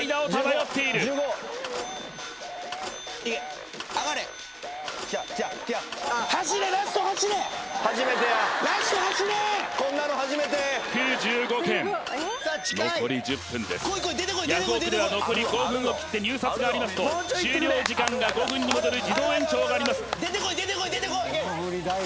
ヤフオク！では残り５分を切って入札がありますと終了時間が５分に戻る自動延長があります